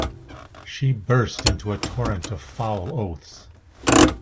She burst into a torrent of foul oaths.